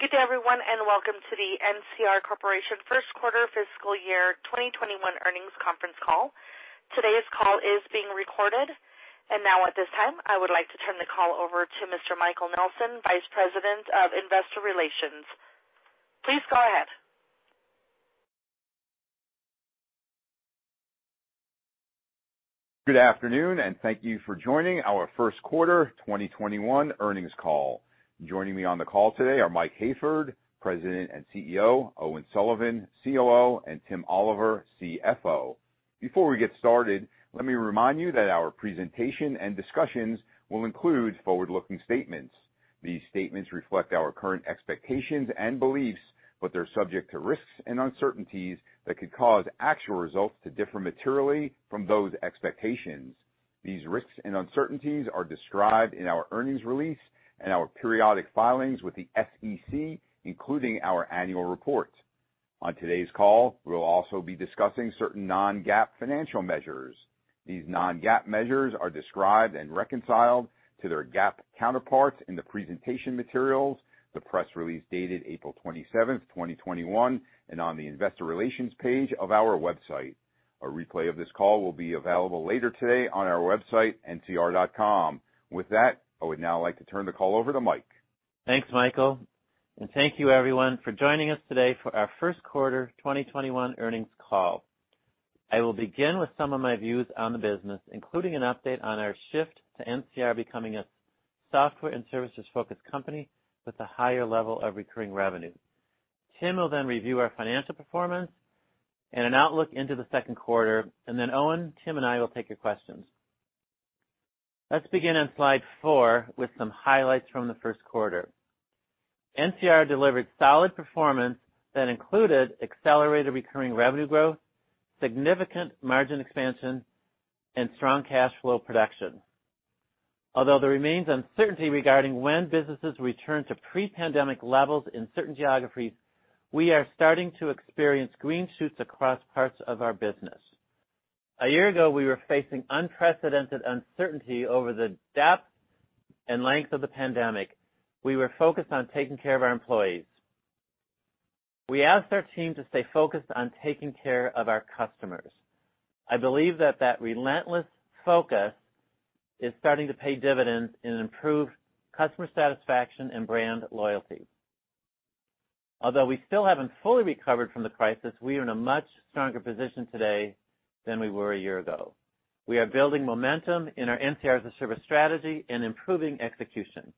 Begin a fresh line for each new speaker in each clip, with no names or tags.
Good day, everyone, welcome to the NCR Corporation first quarter fiscal year 2021 earnings conference call. Today's call is being recorded. Now at this time, I would like to turn the call over to Mr. Michael Nelson, Vice President of Investor Relations. Please go ahead.
Good afternoon, thank you for joining our first quarter 2021 earnings call. Joining me on the call today are Mike Hayford, President and CEO, Owen Sullivan, COO, and Tim Oliver, CFO. Before we get started, let me remind you that our presentation and discussions will include forward-looking statements. These statements reflect our current expectations and beliefs, but they're subject to risks and uncertainties that could cause actual results to differ materially from those expectations. These risks and uncertainties are described in our earnings release and our periodic filings with the SEC, including our annual report. On today's call, we will also be discussing certain non-GAAP financial measures. These non-GAAP measures are described and reconciled to their GAAP counterparts in the presentation materials, the press release dated April 27th, 2021, and on the Investor Relations page of our website. A replay of this call will be available later today on our website, ncr.com. With that, I would now like to turn the call over to Mike.
Thanks, Michael, and thank you, everyone, for joining us today for our first quarter 2021 earnings call. I will begin with some of my views on the business, including an update on our shift to NCR becoming a software and services-focused company with a higher level of recurring revenue. Tim will review our financial performance and an outlook into the second quarter, Owen, Tim, and I will take your questions. Let's begin on slide four with some highlights from the first quarter. NCR delivered solid performance that included accelerated recurring revenue growth, significant margin expansion, and strong cash flow production. Although there remains uncertainty regarding when businesses return to pre-pandemic levels in certain geographies, we are starting to experience green shoots across parts of our business. A year ago, we were facing unprecedented uncertainty over the depth and length of the pandemic. We were focused on taking care of our employees. We asked our team to stay focused on taking care of our customers. I believe that that relentless focus is starting to pay dividends in improved customer satisfaction and brand loyalty. Although we still haven't fully recovered from the crisis, we are in a much stronger position today than we were a year ago. We are building momentum in our NCR-as-a-Service strategy and improving execution.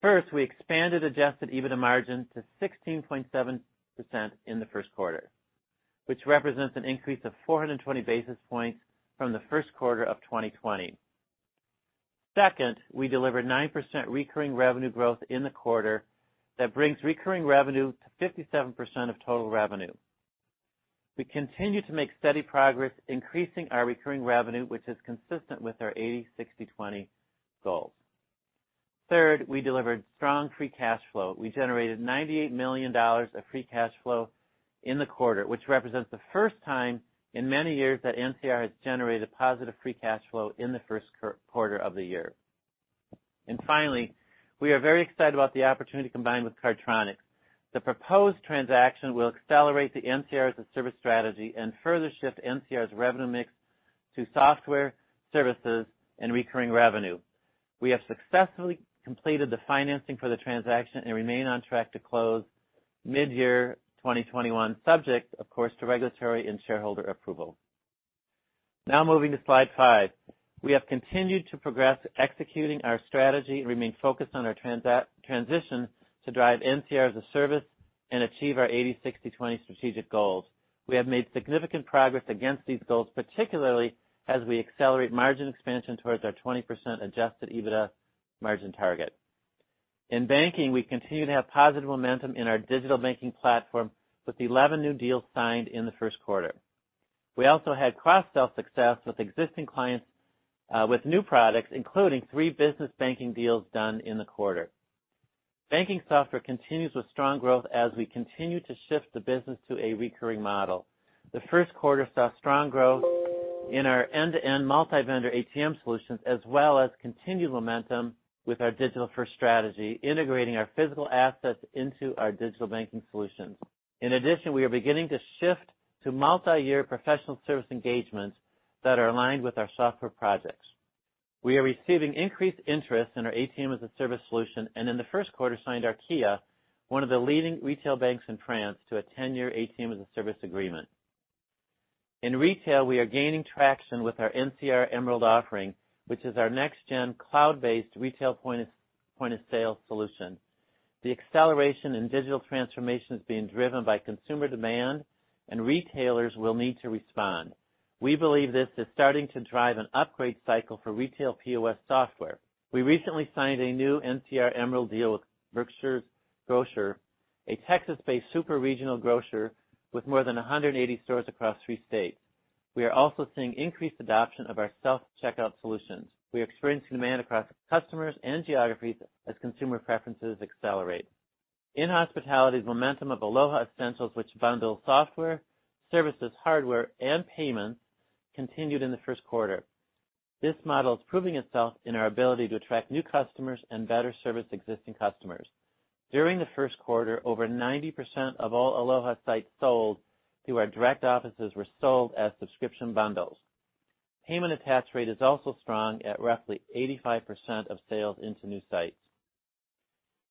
First, we expanded adjusted EBITDA margin to 16.7% in the first quarter, which represents an increase of 420 basis points from the first quarter of 2020. Second, we delivered 9% recurring revenue growth in the quarter that brings recurring revenue to 57% of total revenue. We continue to make steady progress increasing our recurring revenue, which is consistent with our 80/60/20 goals. Third, we delivered strong free cash flow. We generated $98 million of free cash flow in the quarter, which represents the first time in many years that NCR has generated positive free cash flow in the first quarter of the year. Finally, we are very excited about the opportunity to combine with Cardtronics. The proposed transaction will accelerate the NCR-as-a-Service strategy and further shift NCR's revenue mix to software, services, and recurring revenue. We have successfully completed the financing for the transaction and remain on track to close mid-year 2021, subject, of course, to regulatory and shareholder approval. Moving to slide five. We have continued to progress executing our strategy and remain focused on our transition to drive NCR-as-a-Service and achieve our 80/60/20 strategic goals. We have made significant progress against these goals, particularly as we accelerate margin expansion towards our 20% adjusted EBITDA margin target. In banking, we continue to have positive momentum in our digital banking platform with 11 new deals signed in the first quarter. We also had cross-sell success with existing clients with new products, including three business banking deals done in the quarter. Banking software continues with strong growth as we continue to shift the business to a recurring model. The first quarter saw strong growth in our end-to-end multi-vendor ATM solutions, as well as continued momentum with our digital-first strategy, integrating our physical assets into our digital banking solutions. In addition, we are beginning to shift to multi-year professional service engagements that are aligned with our software projects. We are receiving increased interest in our ATM-as-a-Service solution, and in the first quarter, signed Arkéa, one of the leading retail banks in France, to a 10-year ATM-as-a-Service agreement. In retail, we are gaining traction with our NCR Emerald offering, which is our next-gen cloud-based retail point-of-sale solution. The acceleration in digital transformation is being driven by consumer demand, and retailers will need to respond. We believe this is starting to drive an upgrade cycle for retail POS software. We recently signed a new NCR Emerald deal with Brookshire Grocery, a Texas-based super regional grocer with more than 180 stores across three states. We are also seeing increased adoption of our self-checkout solutions. We are experiencing demand across customers and geographies as consumer preferences accelerate. In hospitality's momentum of Aloha Essentials, which bundles software, services, hardware, and payments, continued in the first quarter. This model is proving itself in our ability to attract new customers and better service existing customers. During the first quarter, over 90% of all Aloha sites sold through our direct offices were sold as subscription bundles. Payment attach rate is also strong at roughly 85% of sales into new sites.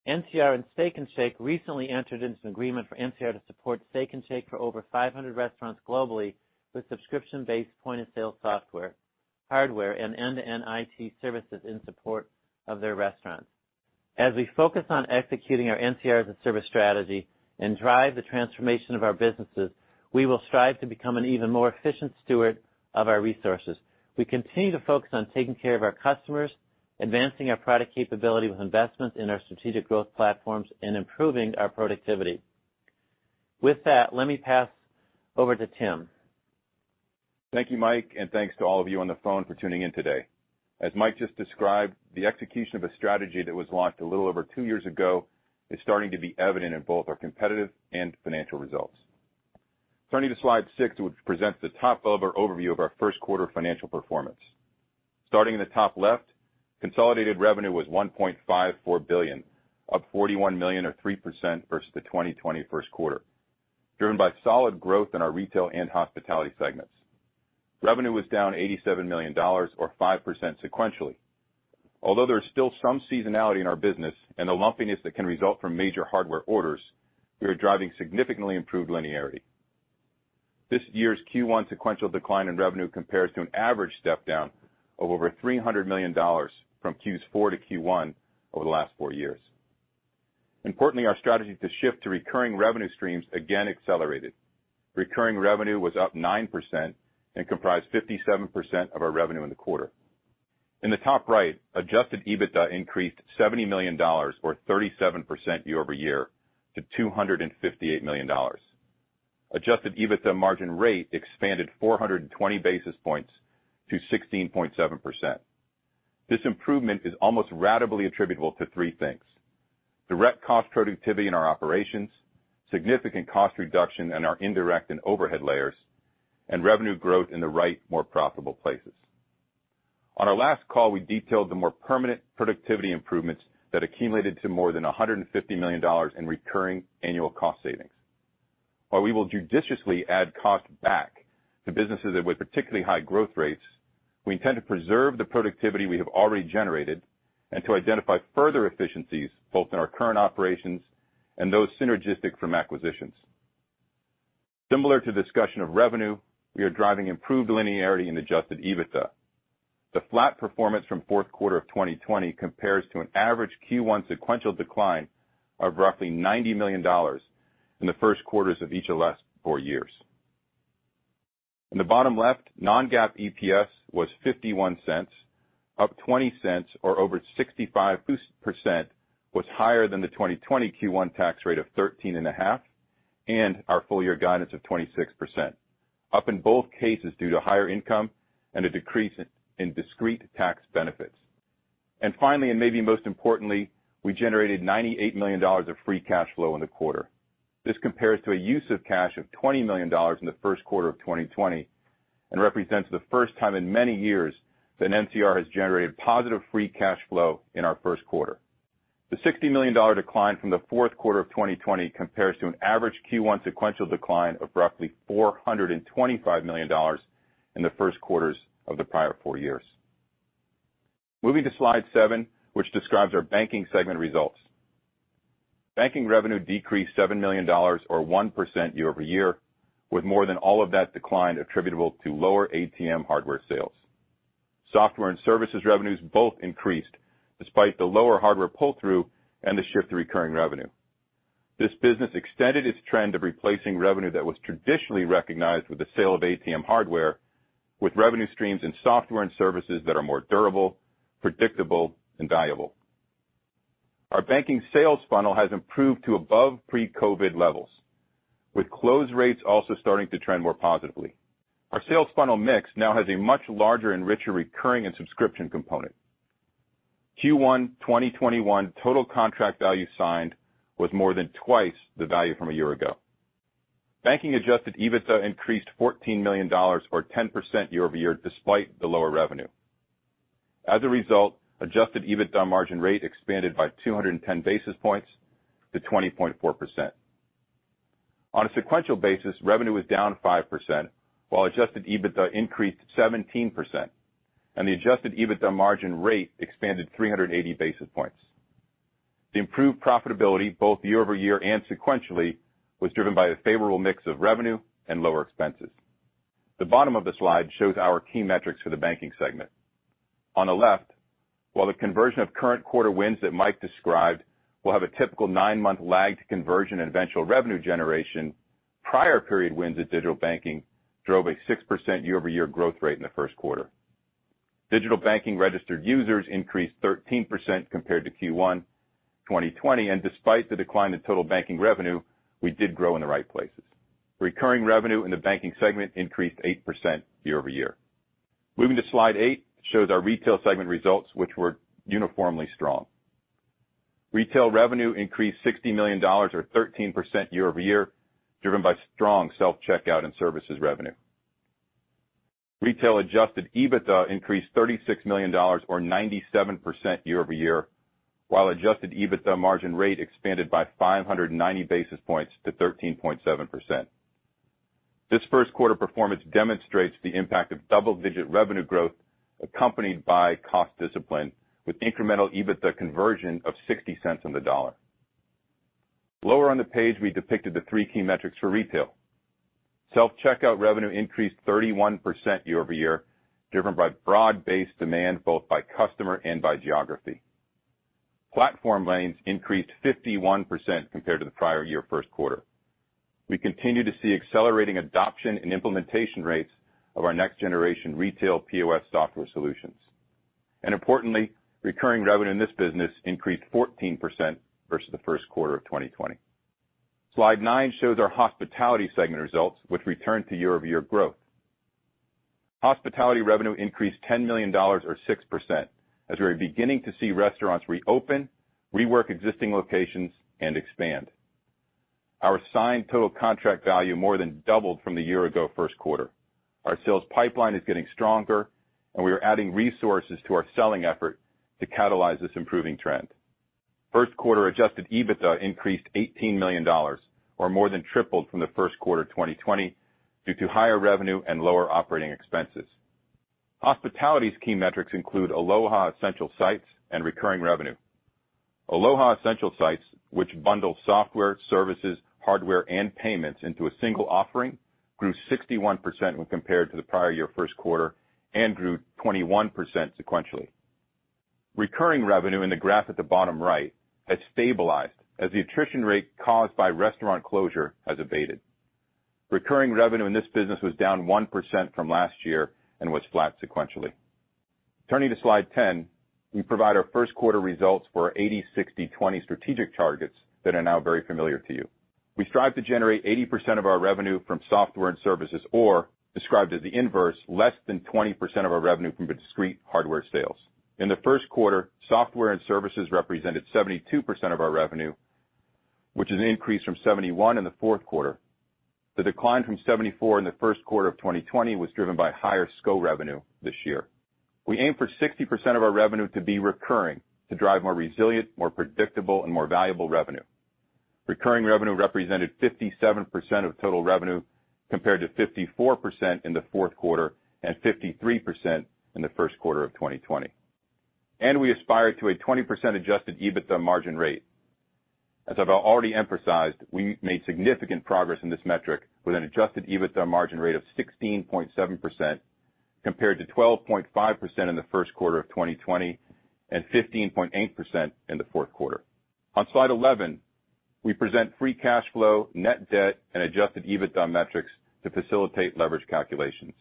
NCR and Steak 'n Shake recently entered into an agreement for NCR to support Steak 'n Shake for over 500 restaurants globally with subscription-based point-of-sale software, hardware, and end-to-end IT services in support of their restaurants. As we focus on executing our NCR-as-a-Service strategy and drive the transformation of our businesses, we will strive to become an even more efficient steward of our resources. We continue to focus on taking care of our customers, advancing our product capability with investments in our strategic growth platforms, and improving our productivity. With that, let me pass over to Tim.
Thank you, Mike, and thanks to all of you on the phone for tuning in today. As Mike just described, the execution of a strategy that was launched a little over two years ago is starting to be evident in both our competitive and financial results. Turning to slide six, which presents the top overview of our first quarter financial performance. Starting in the top left, consolidated revenue was $1.54 billion, up $41 million or 3% versus the 2020 first quarter, driven by solid growth in our retail and hospitality segments. Revenue was down $87 million or 5% sequentially. Although there is still some seasonality in our business and the lumpiness that can result from major hardware orders, we are driving significantly improved linearity. This year's Q1 sequential decline in revenue compares to an average step-down of over $300 million from Q4 to Q1 over the last four years. Importantly, our strategy to shift to recurring revenue streams again accelerated. Recurring revenue was up 9% and comprised 57% of our revenue in the quarter. In the top right, adjusted EBITDA increased $70 million or 37% year-over-year to $258 million. Adjusted EBITDA margin rate expanded 420 basis points to 16.7%. This improvement is almost ratably attributable to three things, direct cost productivity in our operations, significant cost reduction in our indirect and overhead layers, and revenue growth in the right, more profitable places. On our last call, we detailed the more permanent productivity improvements that accumulated to more than $150 million in recurring annual cost savings. While we will judiciously add cost back to businesses with particularly high growth rates, we intend to preserve the productivity we have already generated and to identify further efficiencies both in our current operations and those synergistic from acquisitions. Similar to discussion of revenue, we are driving improved linearity in adjusted EBITDA. The flat performance from fourth quarter of 2020 compares to an average Q1 sequential decline of roughly $90 million in the first quarters of each of the last four years. In the bottom left, non-GAAP EPS was $0.51, up $0.20 or over 65% was higher than the 2020 Q1 tax rate of 13.5%, and our full year guidance of 26%, up in both cases due to higher income and a decrease in discrete tax benefits. Finally, and maybe most importantly, we generated $98 million of free cash flow in the quarter. This compares to a use of cash of $20 million in the first quarter of 2020 and represents the first time in many years that NCR has generated positive free cash flow in our first quarter. The $60 million decline from the fourth quarter of 2020 compares to an average Q1 sequential decline of roughly $425 million in the first quarters of the prior four years. Moving to slide seven, which describes our banking segment results. Banking revenue decreased $7 million or 1% year-over-year, with more than all of that decline attributable to lower ATM hardware sales. Software and services revenues both increased despite the lower hardware pull-through and the shift to recurring revenue. This business extended its trend of replacing revenue that was traditionally recognized with the sale of ATM hardware with revenue streams in software and services that are more durable, predictable, and valuable. Our banking sales funnel has improved to above pre-COVID levels, with close rates also starting to trend more positively. Our sales funnel mix now has a much larger and richer recurring and subscription component. Q1 2021 total contract value signed was more than twice the value from a year ago. Banking adjusted EBITDA increased $14 million or 10% year-over-year, despite the lower revenue. As a result, adjusted EBITDA margin rate expanded by 210 basis points to 20.4%. On a sequential basis, revenue was down 5%, while adjusted EBITDA increased 17%, and the adjusted EBITDA margin rate expanded 380 basis points. The improved profitability, both year-over-year and sequentially, was driven by a favorable mix of revenue and lower expenses. The bottom of the slide shows our key metrics for the banking segment. On the left, while the conversion of current quarter wins that Mike described will have a typical nine-month lagged conversion and eventual revenue generation, prior period wins at Digital Banking drove a 6% year-over-year growth rate in the first quarter. Digital Banking registered users increased 13% compared to Q1 2020. Despite the decline in total banking revenue, we did grow in the right places. Recurring revenue in the banking segment increased 8% year-over-year. Moving to slide eight, shows our retail segment results, which were uniformly strong. Retail revenue increased $60 million or 13% year-over-year, driven by strong self-checkout and services revenue. Retail adjusted EBITDA increased $36 million or 97% year-over-year, while adjusted EBITDA margin rate expanded by 590 basis points to 13.7%. This first quarter performance demonstrates the impact of double-digit revenue growth accompanied by cost discipline, with incremental EBITDA conversion of $0.60 on the dollar. Lower on the page, we depicted the three key metrics for retail. Self-checkout revenue increased 31% year-over-year, driven by broad-based demand both by customer and by geography. Platform lanes increased 51% compared to the prior year first quarter. We continue to see accelerating adoption and implementation rates of our next-generation retail POS software solutions. Importantly, recurring revenue in this business increased 14% versus the first quarter of 2020. Slide nine shows our hospitality segment results which returned to year-over-year growth. Hospitality revenue increased $10 million or 6%, as we are beginning to see restaurants reopen, rework existing locations, and expand. Our signed total contract value more than doubled from the year ago first quarter. Our sales pipeline is getting stronger, and we are adding resources to our selling effort to catalyze this improving trend. First quarter adjusted EBITDA increased $18 million, or more than tripled from the first quarter 2020 due to higher revenue and lower operating expenses. Hospitality's key metrics include Aloha Essentials sites and recurring revenue. Aloha Essentials sites, which bundle software, services, hardware, and payments into a single offering, grew 61% when compared to the prior year first quarter and grew 21% sequentially. Recurring revenue in the graph at the bottom right has stabilized as the attrition rate caused by restaurant closure has abated. Recurring revenue in this business was down 1% from last year and was flat sequentially. Turning to slide 10, we provide our first quarter results for our 80/60/20 strategic targets that are now very familiar to you. We strive to generate 80% of our revenue from software and services or described as the inverse, less than 20% of our revenue from discrete hardware sales. In the first quarter, software and services represented 72% of our revenue, which is an increase from 71% in the fourth quarter. The decline from 74% in the first quarter of 2020 was driven by higher SCO revenue this year. We aim for 60% of our revenue to be recurring to drive more resilient, more predictable, and more valuable revenue. Recurring revenue represented 57% of total revenue compared to 54% in the fourth quarter and 53% in the first quarter of 2020. We aspire to a 20% adjusted EBITDA margin rate. As I've already emphasized, we made significant progress in this metric with an adjusted EBITDA margin rate of 16.7% compared to 12.5% in the first quarter of 2020 and 15.8% in the fourth quarter. On slide 11, we present free cash flow, net debt, and adjusted EBITDA metrics to facilitate leverage calculations.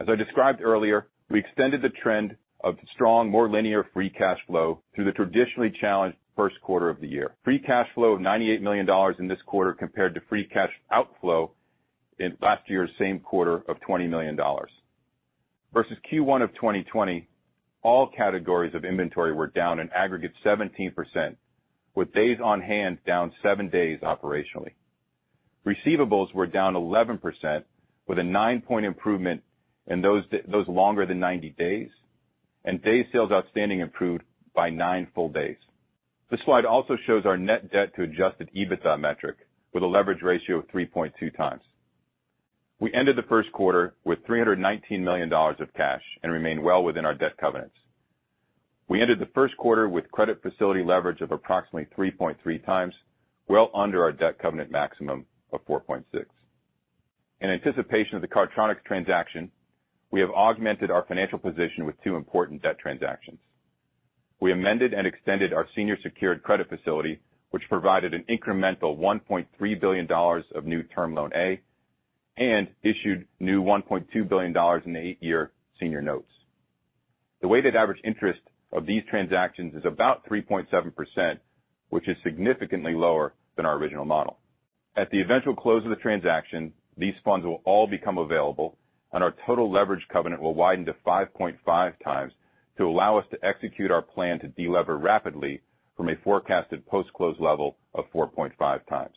As I described earlier, we extended the trend of strong, more linear free cash flow through the traditionally challenged first quarter of the year. Free cash flow of $98 million in this quarter compared to free cash outflow in last year's same quarter of $20 million. Versus Q1 of 2020, all categories of inventory were down an aggregate 17%, with days on hand down seven days operationally. Receivables were down 11%, with a nine-point improvement in those longer than 90 days, and day sales outstanding improved by nine full days. This slide also shows our net debt to adjusted EBITDA metric with a leverage ratio of 3.2x. We ended the first quarter with $319 million of cash and remain well within our debt covenants. We ended the first quarter with credit facility leverage of approximately 3.3x, well under our debt covenant maximum of 4.6. In anticipation of the Cardtronics transaction, we have augmented our financial position with two important debt transactions. We amended and extended our senior secured credit facility, which provided an incremental $1.3 billion of new term loan A and issued new $1.2 billion in the eight-year senior notes. The weighted average interest of these transactions is about 3.7%, which is significantly lower than our original model. At the eventual close of the transaction, these funds will all become available, and our total leverage covenant will widen to 5.5x to allow us to execute our plan to delever rapidly from a forecasted post-close level of 4.5x.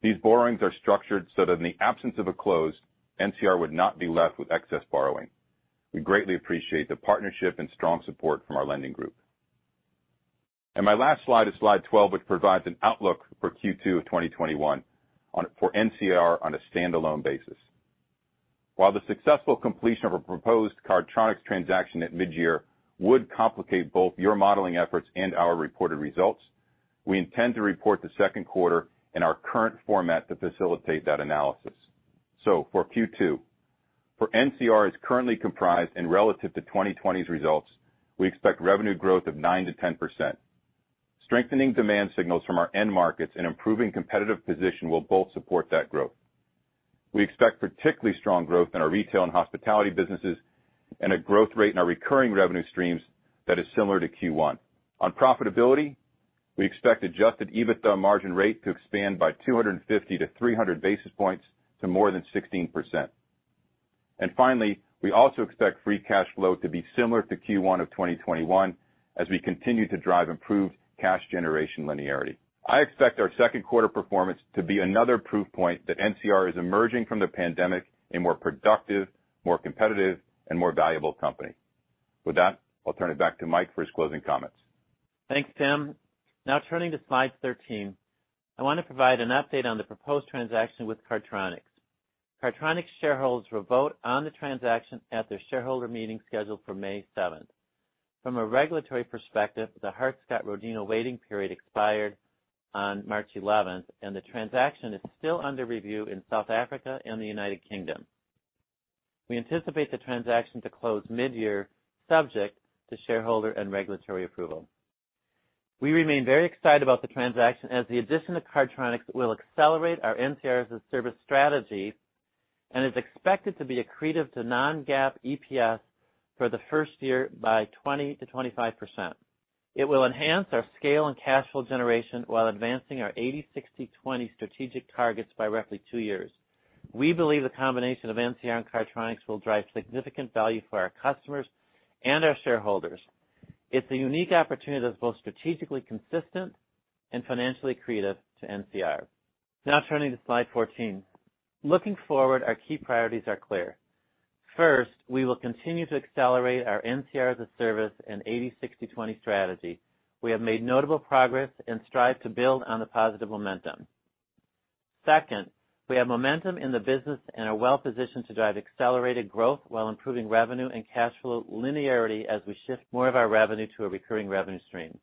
These borrowings are structured so that in the absence of a close, NCR would not be left with excess borrowing. We greatly appreciate the partnership and strong support from our lending group. My last slide is slide 12, which provides an outlook for Q2 of 2021 for NCR on a standalone basis. While the successful completion of a proposed Cardtronics transaction at mid-year would complicate both your modeling efforts and our reported results, we intend to report the second quarter in our current format to facilitate that analysis. For Q2, for NCR is currently comprised and relative to 2020's results, we expect revenue growth of 9%-10%. Strengthening demand signals from our end markets and improving competitive position will both support that growth. We expect particularly strong growth in our retail and hospitality businesses and a growth rate in our recurring revenue streams that is similar to Q1. On profitability, we expect adjusted EBITDA margin rate to expand by 250-300 basis points to more than 16%. Finally, we also expect free cash flow to be similar to Q1 of 2021 as we continue to drive improved cash generation linearity. I expect our second quarter performance to be another proof point that NCR is emerging from the pandemic a more productive, more competitive, and more valuable company. With that, I'll turn it back to Mike for his closing comments.
Thanks, Tim. Turning to slide 13, I want to provide an update on the proposed transaction with Cardtronics. Cardtronics shareholders will vote on the transaction at their shareholder meeting scheduled for May 7th. From a regulatory perspective, the Hart-Scott-Rodino waiting period expired on March 11th, the transaction is still under review in South Africa and the United Kingdom. We anticipate the transaction to close mid-year, subject to shareholder and regulatory approval. We remain very excited about the transaction, as the addition of Cardtronics will accelerate our NCR-as-a-Service strategy and is expected to be accretive to non-GAAP EPS for the first year by 20%-25%. It will enhance our scale and cash flow generation while advancing our 80/60/20 strategic targets by roughly two years. We believe the combination of NCR and Cardtronics will drive significant value for our customers and our shareholders. It's a unique opportunity that's both strategically consistent and financially accretive to NCR. Turning to slide 14. Looking forward, our key priorities are clear. First, we will continue to accelerate our NCR-as-a-Service and 80/60/20 strategy. We have made notable progress and strive to build on the positive momentum. Second, we have momentum in the business and are well-positioned to drive accelerated growth while improving revenue and cash flow linearity as we shift more of our revenue to a recurring revenue stream.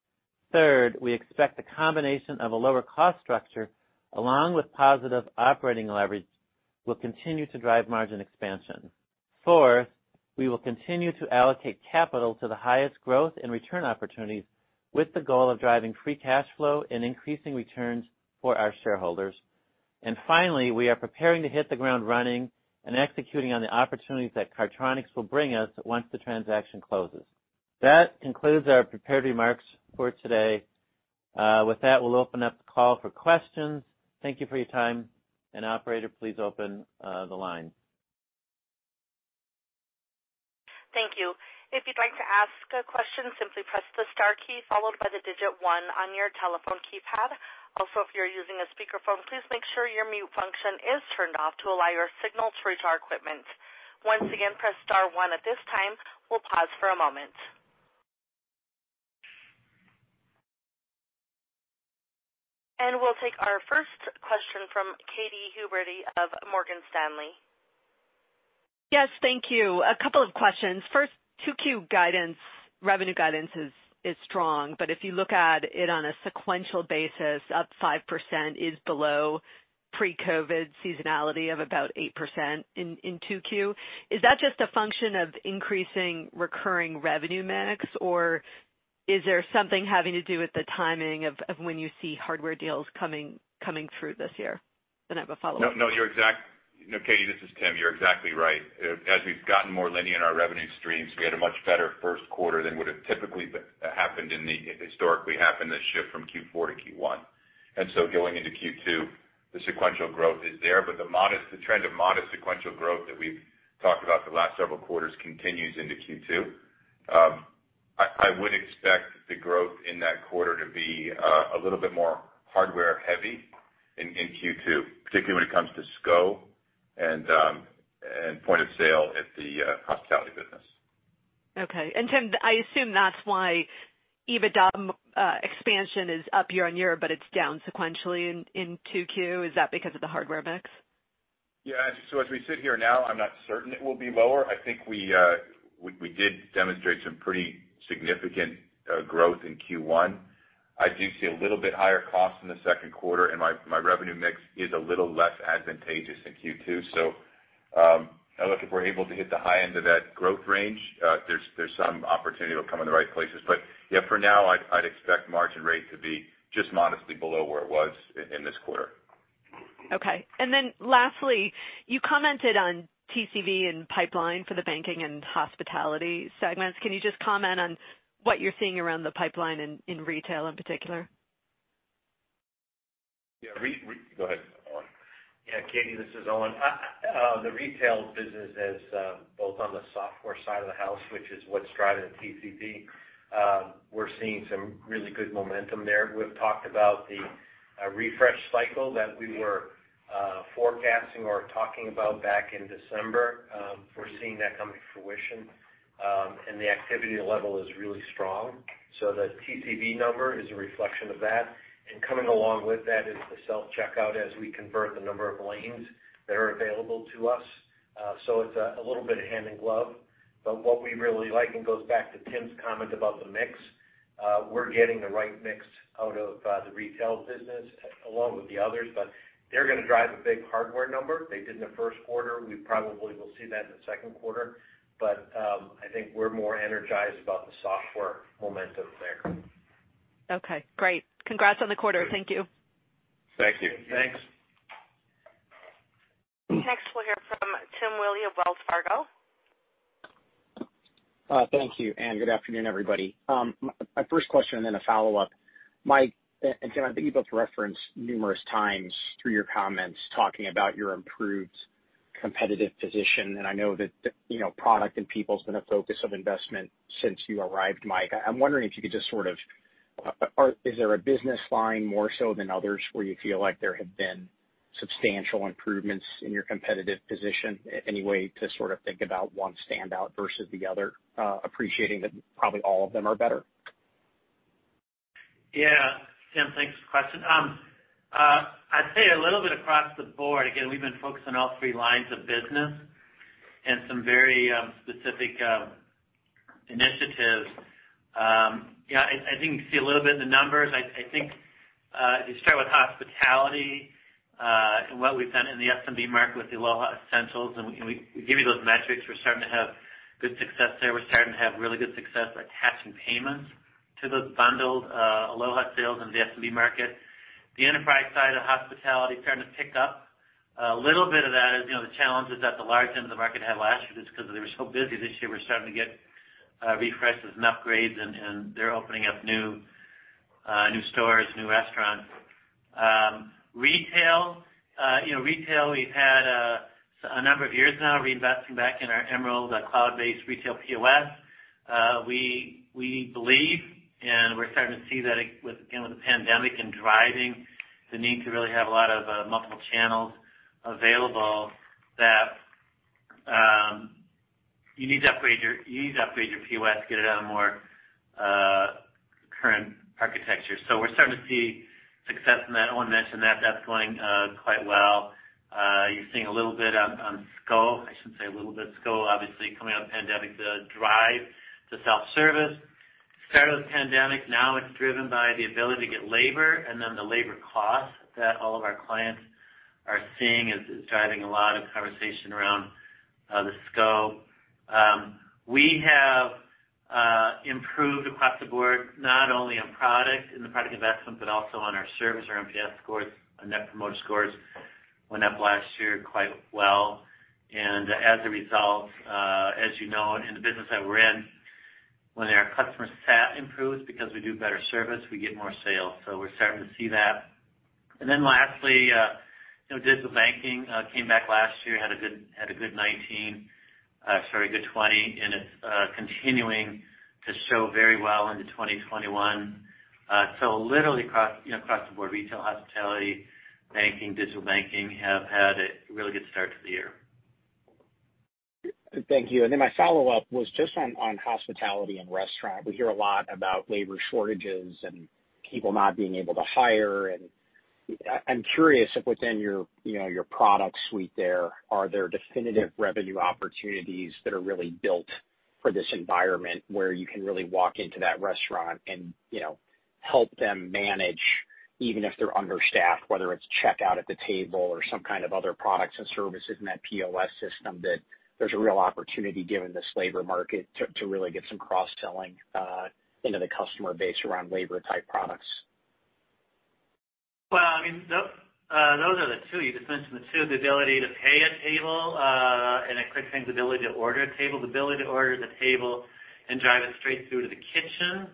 Third, we expect the combination of a lower cost structure along with positive operating leverage will continue to drive margin expansion. Fourth, we will continue to allocate capital to the highest growth and return opportunities with the goal of driving free cash flow and increasing returns for our shareholders. Finally, we are preparing to hit the ground running and executing on the opportunities that Cardtronics will bring us once the transaction closes. That concludes our prepared remarks for today. With that, we'll open up the call for questions. Thank you for your time. Operator, please open the line.
Thank you. If you'd like to ask a question, simply press the star key followed by the digit one on your telephone keypad. Also, if you're using a speakerphone, please make sure your mute function is enough to relay your signal to reach our equipment. Once again, please press star one. At this time, we'll pause for a moment. We'll take our first question from Katy Huberty of Morgan Stanley.
Yes, thank you. A couple of questions. First, 2Q revenue guidance is strong. If you look at it on a sequential basis, up 5% is below pre-COVID seasonality of about 8% in 2Q. Is that just a function of increasing recurring revenue mix, or is there something having to do with the timing of when you see hardware deals coming through this year? I have a follow-up.
No, Katy, this is Tim. You're exactly right. As we've gotten more linear in our revenue streams, we had a much better first quarter than would have historically happened in the shift from Q4 to Q1. Going into Q2, the sequential growth is there, but the trend of modest sequential growth that we've talked about the last several quarters continues into Q2. I would expect the growth in that quarter to be a little bit more hardware-heavy in Q2, particularly when it comes to SCO and point-of-sale at the hospitality business.
Okay. Tim, I assume that's why EBITDA expansion is up year-on-year, but it's down sequentially in 2Q. Is that because of the hardware mix?
Yeah. As we sit here now, I'm not certain it will be lower. I think we did demonstrate some pretty significant growth in Q1. I do see a little bit higher cost in the second quarter, and my revenue mix is a little less advantageous in Q2. Now, look, if we're able to hit the high end of that growth range, there's some opportunity it'll come in the right places. Yeah, for now, I'd expect margin rate to be just modestly below where it was in this quarter.
Okay. Lastly, you commented on TCV and pipeline for the banking and hospitality segments. Can you just comment on what you're seeing around the pipeline in retail in particular?
Yeah. Go ahead, Owen.
Yeah, Katy, this is Owen. The retail business is both on the software side of the house, which is what's driving the TCV. We're seeing some really good momentum there. We've talked about the refresh cycle that we were forecasting or talking about back in December. We're seeing that come to fruition. The activity level is really strong. The TCV number is a reflection of that. Coming along with that is the self-checkout as we convert the number of lanes that are available to us. It's a little bit of hand in glove, but what we really like, and it goes back to Tim's comment about the mix, we're getting the right mix out of the retail business along with the others, but they're going to drive a big hardware number. They did in the first quarter. We probably will see that in the second quarter. I think we're more energized about the software momentum there.
Okay, great. Congrats on the quarter. Thank you.
Thank you.
Thanks.
Next, we'll hear from Tim Willi of Wells Fargo.
Thank you. Good afternoon, everybody. My first question and then a follow-up. Mike and Tim, I think you both referenced numerous times through your comments talking about your improved competitive position. I know that product and people's been a focus of investment since you arrived, Mike. I'm wondering if you could just sort of, is there a business line more so than others where you feel like there have been substantial improvements in your competitive position? Any way to sort of think about one standout versus the other, appreciating that probably all of them are better?
Tim, thanks for the question. I'd say a little bit across the board. We've been focused on all three lines of business and some very specific initiatives. I think you see a little bit in the numbers. I think if you start with hospitality, what we've done in the SMB market with the Aloha Essentials, we give you those metrics. We're starting to have good success there. We're starting to have really good success attaching payments to those bundled Aloha sales in the SMB market. The enterprise side of hospitality is starting to pick up. A little bit of that is the challenges that the large end of the market had last year just because they were so busy. This year, we're starting to get refreshes and upgrades, they're opening up new stores, new restaurants. Retail, we've had a number of years now reinvesting back in our Emerald, our cloud-based retail POS. We believe, and we're starting to see that, again, with the pandemic and driving the need to really have a lot of multiple channels available, that you need to upgrade your POS to get it on a more current architecture. We're starting to see success in that. I want to mention that that's going quite well. You're seeing a little bit on SCO. I shouldn't say a little bit. SCO, obviously coming out of the pandemic, the drive to self-service. It started with the pandemic. Now it's driven by the ability to get labor, and then the labor cost that all of our clients are seeing is driving a lot of conversation around the SCO. We have improved across the board, not only on product and the product investment, but also on our service, our NPS scores, our Net Promoter Score went up last year quite well. As a result, as you know, in the business that we're in, when our customer sat improves because we do better service, we get more sales. We're starting to see that. Lastly, Digital Banking came back last year, had a good 2019, sorry, good 2020, and it's continuing to show very well into 2021. Literally across the board, retail, hospitality, banking, Digital Banking have had a really good start to the year.
Thank you. My follow-up was just on hospitality and restaurant. We hear a lot about labor shortages and people not being able to hire. I'm curious if within your product suite there, are there definitive revenue opportunities that are really built for this environment where you can really walk into that restaurant and help them manage, even if they're understaffed, whether it's checkout at the table or some kind of other products and services in that POS system, that there's a real opportunity given this labor market to really get some cross-selling into the customer base around labor type products?
Well, those are the two. You just mentioned the two, the ability to pay at table, and a quick thing, the ability to order at table. The ability to order at the table and drive it straight through to the kitchen.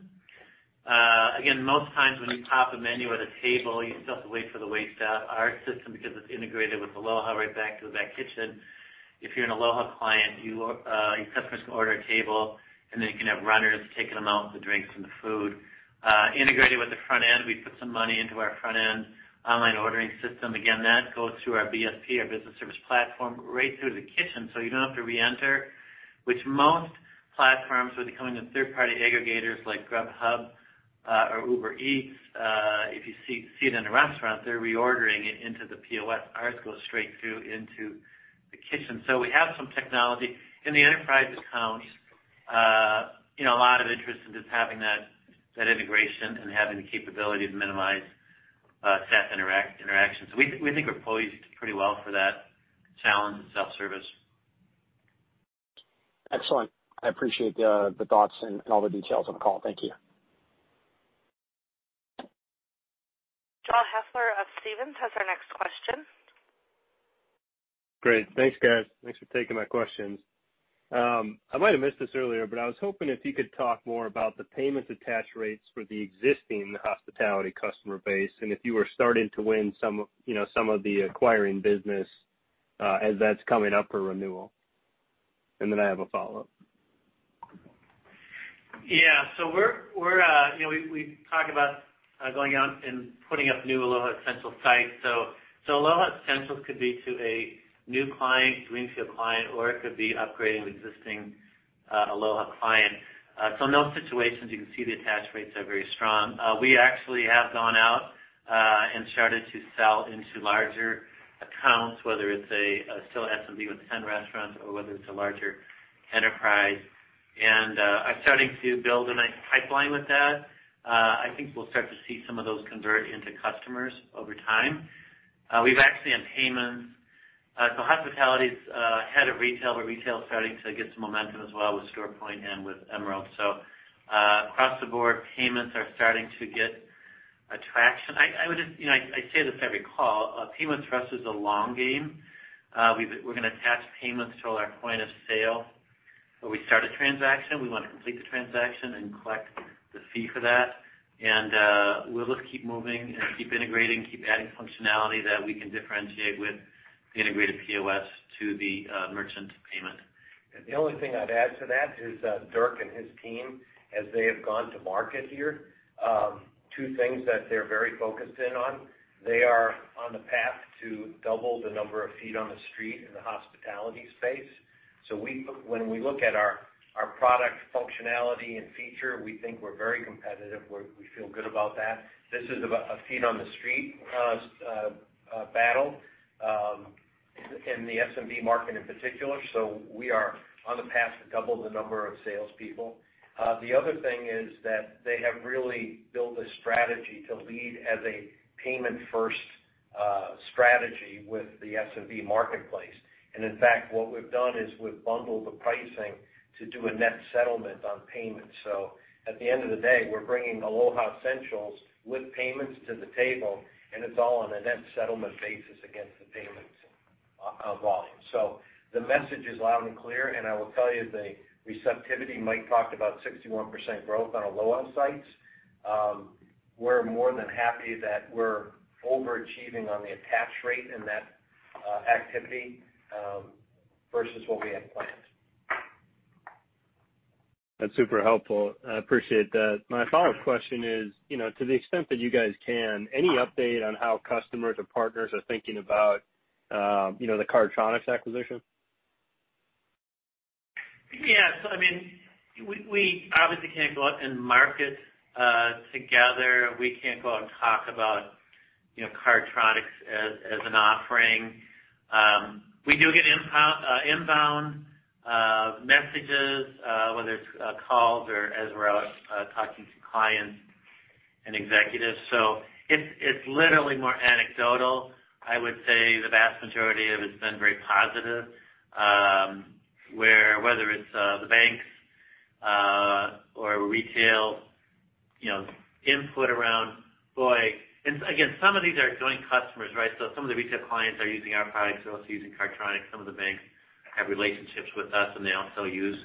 Again, most times when you pop a menu at a table, you still have to wait for the waitstaff. Our system, because it's integrated with Aloha right back to the back kitchen, if you're an Aloha client, your customers can order at table, and then you can have runners taking them out with the drinks and the food. Integrated with the front end, we put some money into our front-end online ordering system. Again, that goes through our BSP, our Business Services Platform, right through to the kitchen, so you don't have to re-enter, which most platforms, whether you're coming to third-party aggregators like Grubhub or Uber Eats, if you see it in a restaurant, they're reordering it into the POS. Ours goes straight through into the kitchen. We have some technology. In the enterprise accounts, a lot of interest in just having that integration and having the capability to minimize staff interactions. We think we're poised pretty well for that challenge in self-service.
Excellent. I appreciate the thoughts and all the details on the call. Thank you.
Joel Hoeffler of Stephens has our next question.
Great. Thanks, guys. Thanks for taking my questions. I might have missed this earlier, I was hoping if you could talk more about the payment attach rates for the existing hospitality customer base, and if you were starting to win some of the acquiring business as that's coming up for renewal. I have a follow-up.
We talk about going out and putting up new Aloha Essentials sites. Aloha Essentials could be to a new client, greenfield client, or it could be upgrading an existing Aloha client. In those situations, you can see the attach rates are very strong. We actually have gone out and started to sell into larger accounts, whether it's a still SMB with 10 restaurants or whether it's a larger enterprise. Are starting to build a nice pipeline with that. I think we'll start to see some of those convert into customers over time. We've actually, on payments. Hospitality's ahead of retail, but retail's starting to get some momentum as well with StorePoint and with Emerald. Across the board, payments are starting to get traction. I say this every call, payments for us is a long game. We're going to attach payments to all our point-of-sale. Where we start a transaction, we want to complete the transaction and collect the fee for that. We'll just keep moving and keep integrating, keep adding functionality that we can differentiate with the integrated POS to the merchant payment.
The only thing I'd add to that is Dirk and his team, as they have gone to market here, two things that they're very focused in on. They are on the path to double the number of feet on the street in the hospitality space. When we look at our product functionality and feature, we think we're very competitive. We feel good about that. This is a feet on the street battle in the SMB market in particular. We are on the path to double the number of salespeople. The other thing is that they have really built a strategy to lead as a payment-first strategy with the SMB marketplace. In fact, what we've done is we've bundled the pricing to do a net settlement on payments. At the end of the day, we're bringing Aloha Essentials with payments to the table, and it's all on a net settlement basis against the payments volume. The message is loud and clear, and I will tell you the receptivity, Mike talked about 61% growth on Aloha sites. We're more than happy that we're overachieving on the attach rate and that activity versus what we had planned.
That's super helpful. I appreciate that. My follow-up question is, to the extent that you guys can, any update on how customers or partners are thinking about the Cardtronics acquisition?
Yes. We obviously can't go out and market together. We can't go out and talk about Cardtronics as an offering. We do get inbound messages, whether it's calls or as we're out talking to clients and executives. It's literally more anecdotal. I would say the vast majority of it's been very positive, where whether it's the banks or retail input around-- and again, some of these are joint customers. Some of the retail clients are using our products. They're also using Cardtronics. Some of the banks have relationships with us, and they also use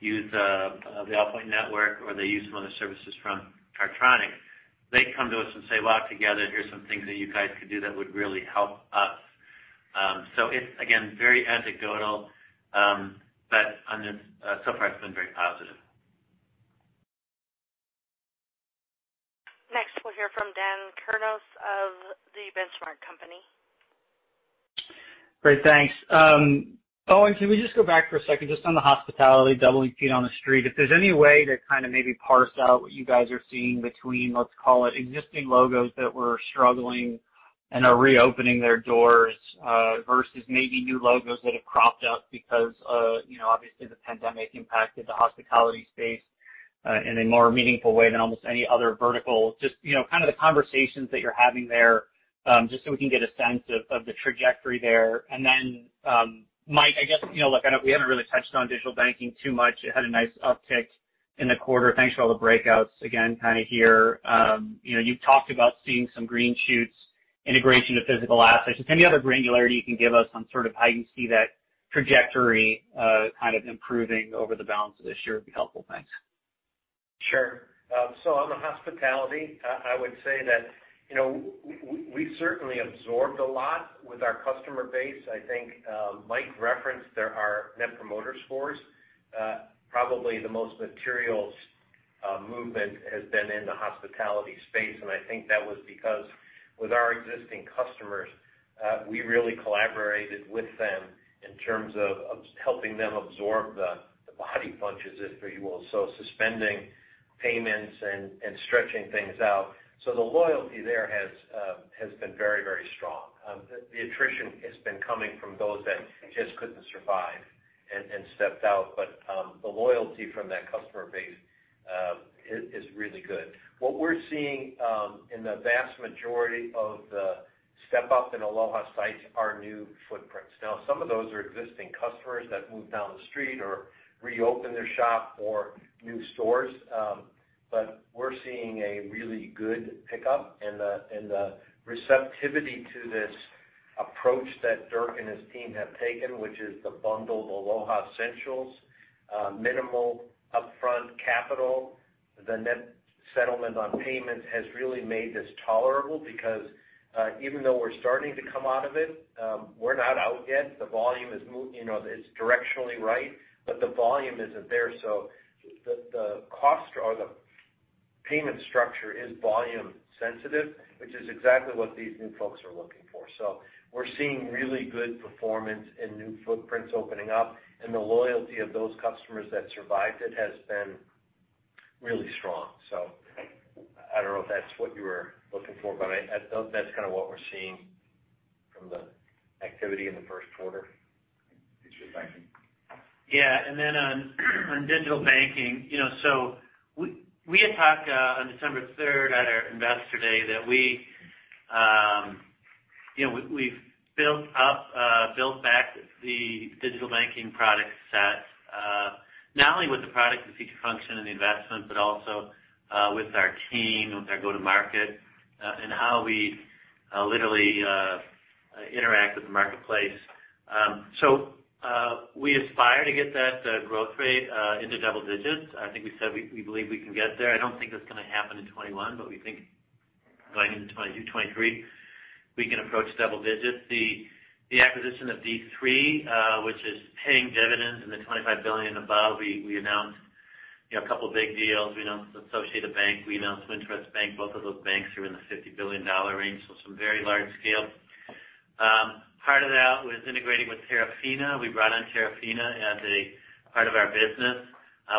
the Allpoint network, or they use some of the services from Cardtronics. They come to us and say, well, together, here's some things that you guys could do that would really help us. It's, again, very anecdotal. So far, it's been very positive.
Next, we'll hear from Dan Kurnos of The Benchmark Company.
Great, thanks. Owen, can we just go back for a second, just on the hospitality, doubling feet on the street. If there's any way to kind of maybe parse out what you guys are seeing between, let's call it existing logos that were struggling and are reopening their doors versus maybe new logos that have cropped up because obviously the pandemic impacted the hospitality space in a more meaningful way than almost any other vertical. Just kind of the conversations that you're having there, just so we can get a sense of the trajectory there. Then, Mike, I guess, look, I know we haven't really touched on Digital Banking too much. It had a nice uptick in the quarter. Thanks for all the breakouts, again, here. You've talked about seeing some green shoots, integration of physical assets. Just any other granularity you can give us on sort of how you see that trajectory kind of improving over the balance of this year would be helpful. Thanks.
Sure. On the hospitality, I would say that we've certainly absorbed a lot with our customer base. I think Mike referenced our net promoter scores. Probably the most materials movement has been in the hospitality space, and I think that was because with our existing customers, we really collaborated with them in terms of helping them absorb the body punches, if you will, suspending payments and stretching things out. The loyalty there has been very strong. The attrition has been coming from those that just couldn't survive and stepped out. The loyalty from that customer base is really good. What we're seeing in the vast majority of the step-up in Aloha sites are new footprints. Some of those are existing customers that moved down the street or reopened their shop or new stores. We're seeing a really good pickup and the receptivity to this approach that Dirk and his team have taken, which is the bundled Aloha Essentials, minimal upfront capital. The net settlement on payments has really made this tolerable because even though we're starting to come out of it, we're not out yet. It's directionally right, but the volume isn't there. The payment structure is volume sensitive, which is exactly what these new folks are looking for. We're seeing really good performance and new footprints opening up, and the loyalty of those customers that survived it has been really strong. I don't know if that's what you were looking for, but that's kind of what we're seeing from the activity in the first quarter.
Yeah. On Digital Banking, we had talked on December 3rd at our Investor Day that we've built back the Digital Banking product set, not only with the product and feature function and the investment, but also with our team, with our go-to-market, and how we literally interact with the marketplace. We aspire to get that growth rate into double digits. I think we said we believe we can get there. I don't think it's going to happen in 2021, but we think going into 2022, 2023, we can approach double digits. The acquisition of D3, which is paying dividends in the $25 billion above. We announced a couple big deals. We announced Associated Bank. We announced Wintrust Bank. Both of those banks are in the $50 billion range, some very large scale. Part of that was integrating with Terafina. We brought on Terafina as a part of our business.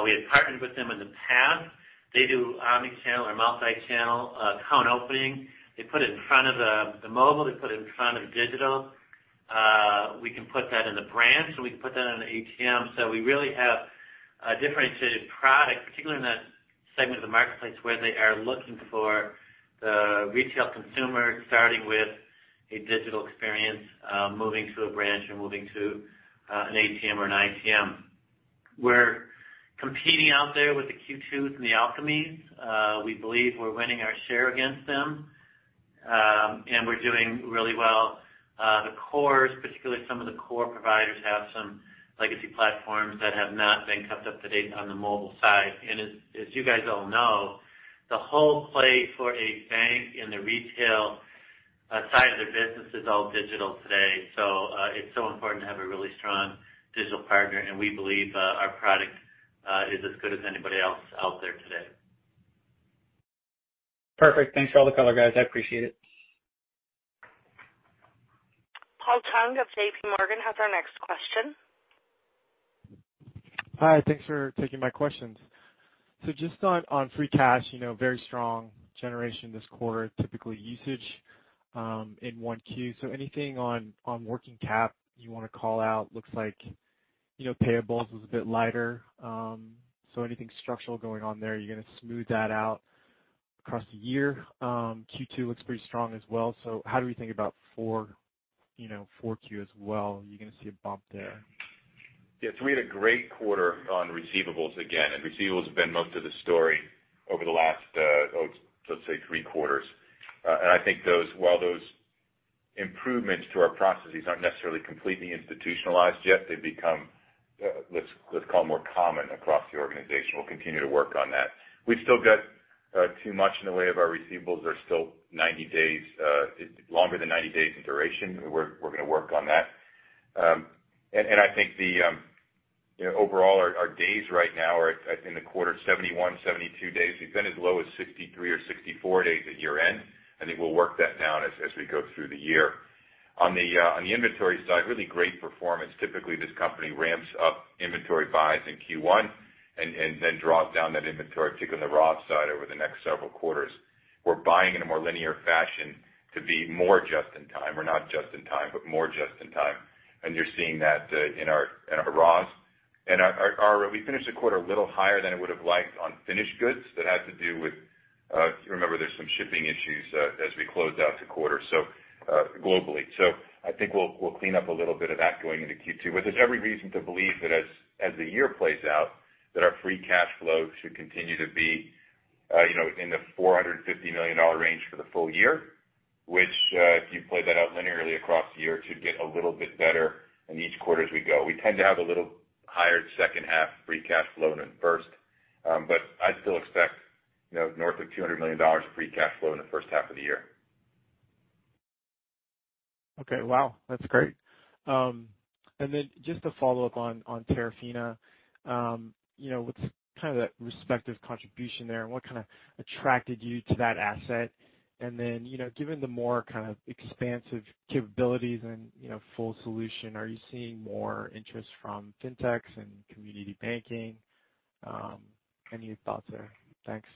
We had partnered with them in the past. They do omni-channel or multi-channel account opening. They put it in front of the mobile. They put it in front of digital. We can put that in the branch, and we can put that on the ATM. We really have a differentiated product, particularly in that segment of the marketplace, where they are looking for the retail consumer, starting with a digital experience, moving to a branch and moving to an ATM or an ITM. We're competing out there with the Q2s and the Alkami. We believe we're winning our share against them. We're doing really well. The cores, particularly some of the core providers, have some legacy platforms that have not been kept up to date on the mobile side. As you guys all know, the whole play for a bank in the retail side of their business is all digital today. It's so important to have a really strong digital partner, and we believe our product is as good as anybody else out there today.
Perfect. Thanks for all the color, guys. I appreciate it.
Paul Chung of JPMorgan has our next question.
Hi. Thanks for taking my questions. Just on free cash, very strong generation this quarter, typical usage in 1Q. Anything on working cap you want to call out? Looks like payables was a bit lighter. Anything structural going on there? You going to smooth that out across the year? Q2 looks pretty strong as well. How do we think about 4Q as well? Are you going to see a bump there?
Yeah. We had a great quarter on receivables again, receivables have been most of the story over the last, let's say, three quarters. I think while those improvements to our processes aren't necessarily completely institutionalized yet, they've become, let's call, more common across the organization. We'll continue to work on that. We've still got too much in the way of our receivables are still longer than 90 days in duration. We're going to work on that. I think overall, our days right now are in the quarter 71, 72 days. We've been as low as 63 or 64 days at year-end. I think we'll work that down as we go through the year. On the inventory side, really great performance. Typically, this company ramps up inventory buys in Q1 and then draws down that inventory, particularly the raw side, over the next several quarters. We're buying in a more linear fashion to be more just in time, or not just in time, but more just in time. You're seeing that in our raws. We finished the quarter a little higher than I would've liked on finished goods. That had to do with, if you remember, there's some shipping issues as we closed out the quarter globally. I think we'll clean up a little bit of that going into Q2. There's every reason to believe that as the year plays out, that our free cash flow should continue to be in the $450 million range for the full year, which if you play that out linearly across the year, it should get a little bit better in each quarter as we go. We tend to have a little higher second half free cash flow than first. I'd still expect north of $200 million of free cash flow in the first half of the year.
Okay. Wow. That's great. Just to follow-up on Terafina. What's kind of the respective contribution there, and what kind of attracted you to that asset? Given the more kind of expansive capabilities and full solution, are you seeing more interest from fintechs and community banking? Any thoughts there? Thanks.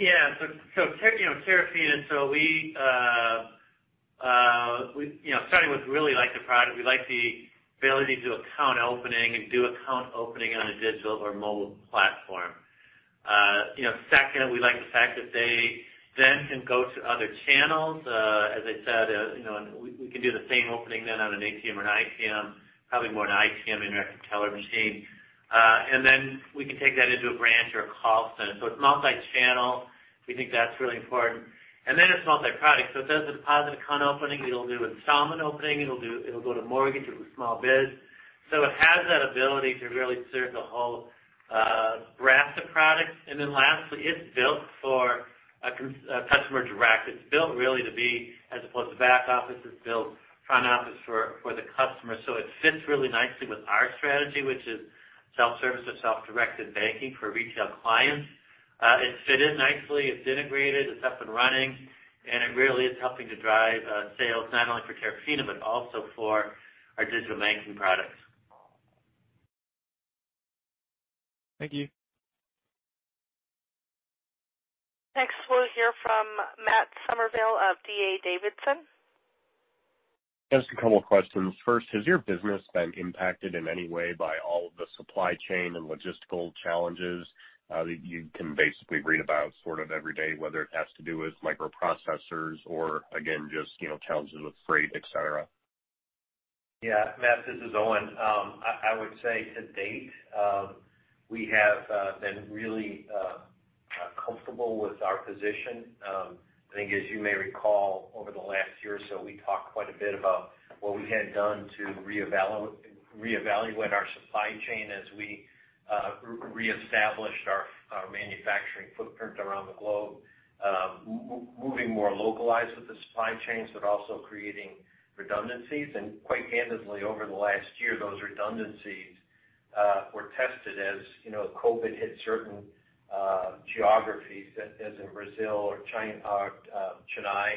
Yeah. Terafina. Starting with really liking the product, we like the ability to do account opening and do account opening on a digital or mobile platform. Second, we like the fact that they then can go to other channels. As I said, we can do the same opening then on an ATM or an ITM, probably more an ITM, interactive teller machine. We can take that into a branch or a call center. It's multi-channel. We think that's really important. It's multi-product. It does the deposit account opening. It'll do installment opening. It'll go to mortgage. It'll do small biz. It has that ability to really serve the whole breadth of products. Lastly, it's built for customer direct. It's built really to be as opposed to back office, it's built front office for the customer. It fits really nicely with our strategy, which is self-service or self-directed banking for retail clients. It fit in nicely. It's integrated. It's up and running. It really is helping to drive sales not only for Terafina, but also for our Digital Banking products.
Thank you.
Next, we'll hear from Matt Summerville of D.A. Davidson.
Just a couple of questions. Has your business been impacted in any way by all of the supply chain and logistical challenges that you can basically read about every day, whether it has to do with microprocessors or, again, just challenges with freight, et cetera?
Yeah. Matt, this is Owen. I would say to date, we have been really comfortable with our position. I think as you may recall, over the last year or so, we talked quite a bit about what we had done to reevaluate our supply chain as we reestablished our manufacturing footprint around the globe. Moving more localized with the supply chains, but also creating redundancies. Quite candidly, over the last year, those redundancies were tested as COVID hit certain geographies, as in Brazil or Chennai.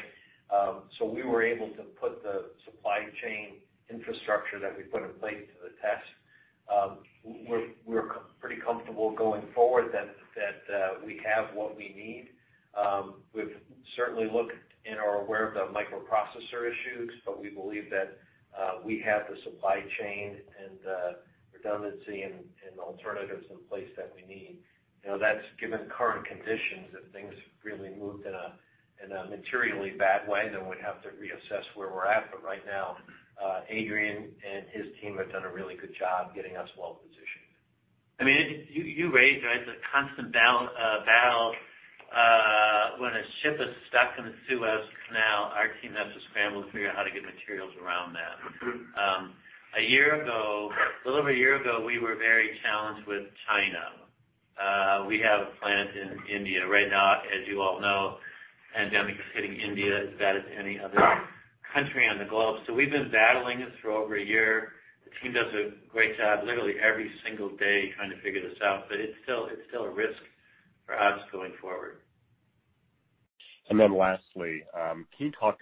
We were able to put the supply chain infrastructure that we put in place to the test. We're pretty comfortable going forward that we have what we need. We've certainly looked and are aware of the microprocessor issues, but we believe that we have the supply chain and the redundancy and the alternatives in place that we need. That's given current conditions. If things really moved in a materially bad way, we'd have to reassess where we're at. Right now, Adrian and his team have done a really good job getting us well-positioned.
You raised the constant battle. When a ship is stuck in the Suez Canal, our team has to scramble to figure out how to get materials around that. A year ago, a little over a year ago, we were very challenged with China. We have a plant in India right now. As you all know, pandemic is hitting India as bad as any other country on the globe. We've been battling this for over a year. The team does a great job literally every single day trying to figure this out, but it's still a risk for us going forward.
Lastly, can you talk,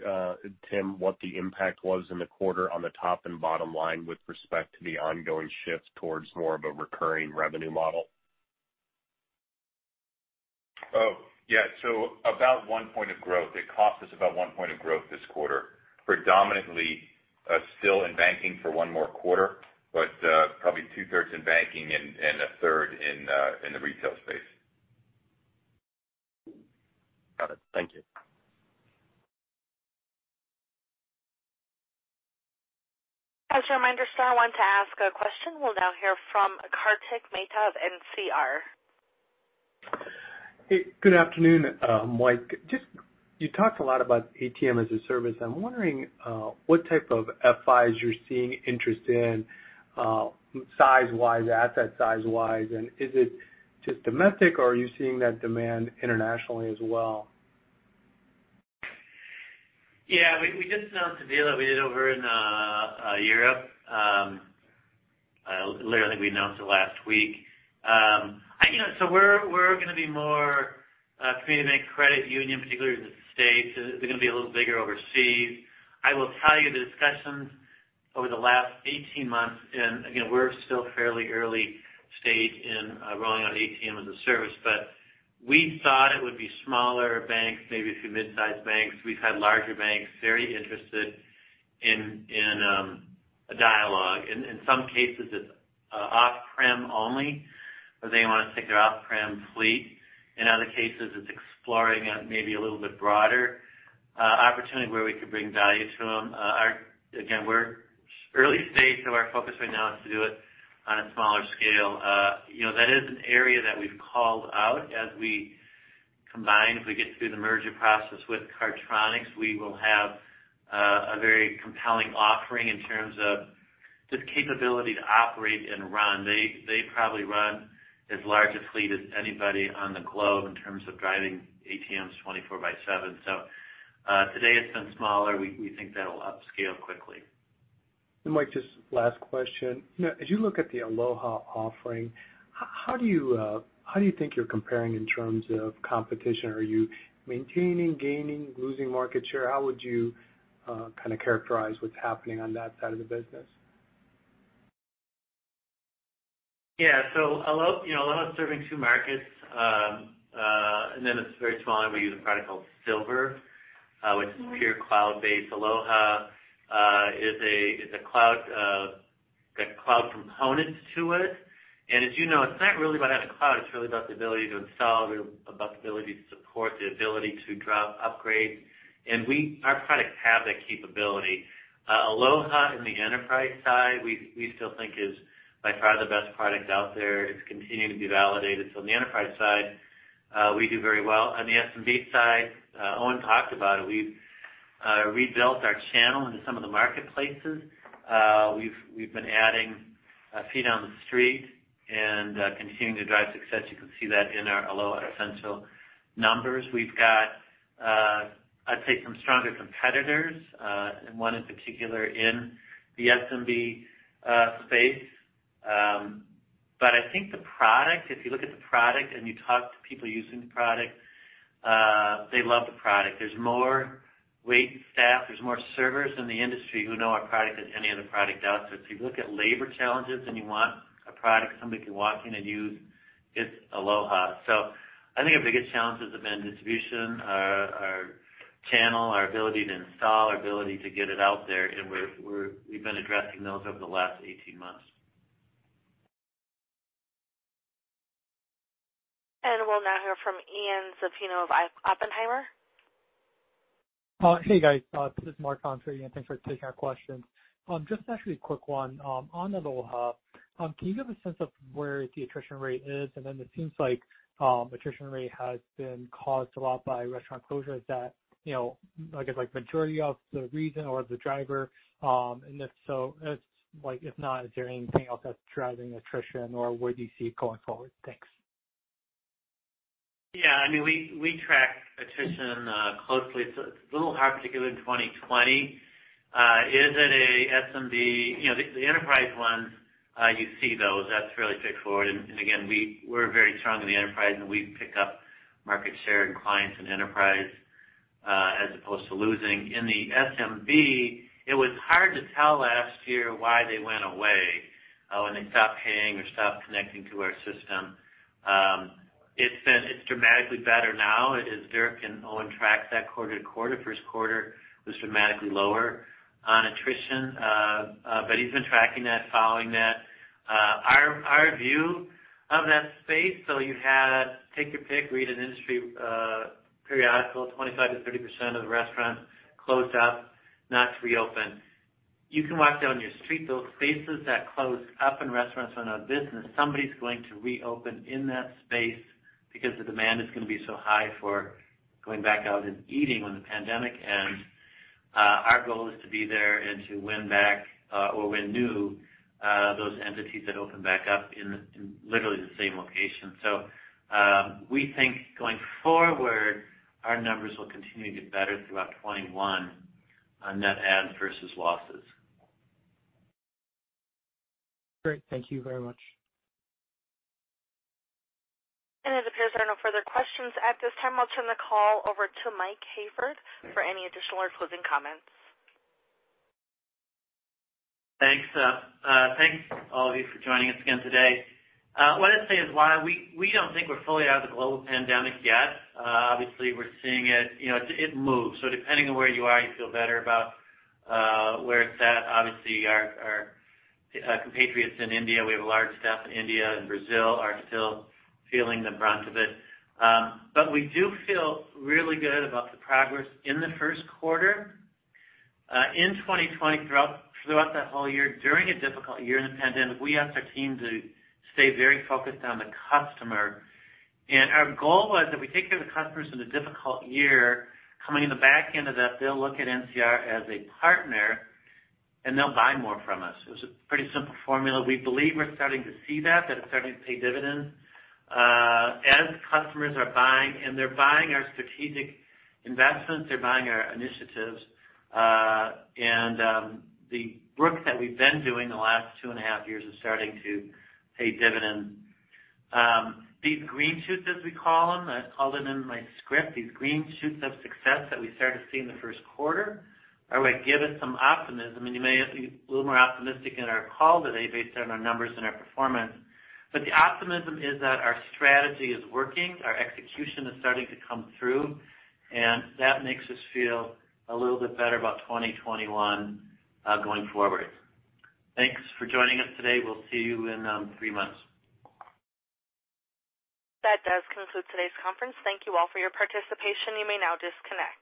Tim, what the impact was in the quarter on the top and bottom line with respect to the ongoing shift towards more of a recurring revenue model?
Yeah. About one point of growth. It cost us about one point of growth this quarter, predominantly still in banking for one more quarter, probably two-thirds in banking and a third in the retail space.
Got it. Thank you.
As a reminder, star one to ask a question. We'll now hear from Kartik Mehta of NCR.
Hey, good afternoon, Mike. Just you talked a lot about ATM-as-a-Service. I'm wondering what type of FIs you're seeing interest in size-wise, asset size-wise, and is it just domestic or are you seeing that demand internationally as well?
We just announced a deal that we did over in Europe. Literally, we announced it last week. We're going to be more community credit union, particularly in the United States. They're going to be a little bigger overseas. I will tell you the discussions over the last 18 months, and again, we're still fairly early stage in rolling out ATM-as-a-Service. We thought it would be smaller banks, maybe a few mid-size banks. We've had larger banks very interested in a dialogue. In some cases it's off-prem only where they want to take their off-prem fleet. In other cases it's exploring maybe a little bit broader opportunity where we could bring value to them. Again, we're early stage so our focus right now is to do it on a smaller scale. That is an area that we've called out as we combine. If we get through the merger process with Cardtronics, we will have a very compelling offering in terms of just capability to operate and run. They probably run as large a fleet as anybody on the globe in terms of driving ATMs 24/7. Today it's been smaller. We think that'll upscale quickly.
Mike, just last question. As you look at the Aloha offering, how do you think you're comparing in terms of competition? Are you maintaining, gaining, losing market share? How would you kind of characterize what's happening on that side of the business?
Yeah. Aloha is serving two markets, and then it's very small and we use a product called Silver which is pure cloud-based. Aloha has cloud components to it. As you know, it's not really about having cloud, it's really about the ability to install, about the ability to support, the ability to drop upgrades. Our products have that capability. Aloha in the enterprise side, we still think is by far the best product out there. It's continuing to be validated. On the enterprise side we do very well. On the SMB side, Owen talked about it. We've rebuilt our channel into some of the marketplaces. We've been adding feet on the street and continuing to drive success. You can see that in our Aloha Essentials numbers. We've got I'd say some stronger competitors, and one in particular in the SMB space. I think the product, if you look at the product and you talk to people using the product, they love the product. There's more wait staff, there's more servers in the industry who know our product than any other product out there. If you look at labor challenges and you want a product somebody can walk in and use, it's Aloha. I think our biggest challenges have been distribution, our channel, our ability to install, our ability to get it out there, and we've been addressing those over the last 18 months.
We'll now hear from Ian Zaffino of Oppenheimer.
Hey, guys. This is [Mark] on for Ian. Thanks for taking our questions. Just actually a quick one. On Aloha, can you give a sense of where the attrition rate is? It seems attrition rate has been caused a lot by restaurant closures that, I guess, majority of the reason or the driver. If not, is there anything else that's driving attrition or where do you see it going forward? Thanks.
Yeah. We track attrition closely. It's a little hard, particularly in 2020. Is it a SMB. The enterprise ones, you see those. That's fairly straightforward. Again, we're very strong in the enterprise, and we pick up market share and clients in enterprise as opposed to losing. In the SMB, it was hard to tell last year why they went away, when they stopped paying or stopped connecting to our system. It's dramatically better now. Dirk and Owen track that quarter-to-quarter. First quarter was dramatically lower on attrition. He's been tracking that, following that. Our view of that space, you had, take your pick, read an industry periodical, 25%-30% of the restaurants closed up, not reopened. You can walk down your street, those spaces that closed up and restaurants are out of business, somebody's going to reopen in that space because the demand is going to be so high for going back out and eating when the pandemic ends. Our goal is to be there and to win back, or win new, those entities that open back up in literally the same location. We think going forward, our numbers will continue to get better throughout 2021 on net adds versus losses.
Great. Thank you very much.
It appears there are no further questions at this time. I'll turn the call over to Mike Hayford for any additional or closing comments.
Thanks. Thanks all of you for joining us again today. What I'd say is why we don't think we're fully out of the global pandemic yet. Obviously, we're seeing it. It moves. Depending on where you are, you feel better about where it's at. Obviously, our compatriots in India, we have a large staff in India and Brazil, are still feeling the brunt of it. We do feel really good about the progress in the first quarter. In 2020, throughout that whole year, during a difficult year in the pandemic, we asked our team to stay very focused on the customer. Our goal was if we take care of the customers in a difficult year, coming in the back end of that, they'll look at NCR as a partner, and they'll buy more from us. It was a pretty simple formula. We believe we're starting to see that it's starting to pay dividends. As customers are buying, and they're buying our strategic investments, they're buying our initiatives. The work that we've been doing the last two and a half years is starting to pay dividends. These green shoots, as we call them, I called them in my script, these green shoots of success that we started to see in the first quarter are what give us some optimism. You may be a little more optimistic in our call today based on our numbers and our performance. The optimism is that our strategy is working, our execution is starting to come through, and that makes us feel a little bit better about 2021 going forward. Thanks for joining us today. We'll see you in three months.
That does conclude today's conference. Thank you all for your participation. You may now disconnect.